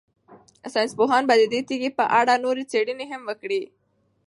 ساینس پوهان به د دې تیږې په اړه نورې څېړنې هم وکړي.